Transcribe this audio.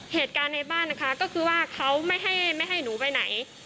เหตุการณ์ในบ้านก็คือว่าเขาไม่ให้หนูไปไหน